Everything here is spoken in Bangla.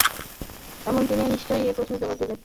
তখন তিনি নিশ্চয়ই এই প্রশ্নের জবাব দেবেন।